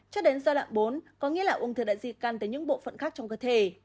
cho đến giai đoạn bốn có nghĩa là ung thư đại di căn tới những bộ phận khác trong cơ thể